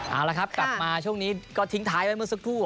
เอาละครับกลับมาช่วงนี้ก็ทิ้งท้ายไว้เมื่อสักครู่